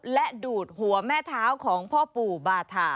และดูดหัวแม่เท้าของพ่อปู่บาธา